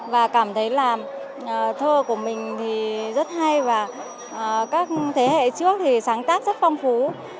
và cảm thấy là thơ của mình thì rất hay và các thế hệ trước thì sáng tác rất phong phú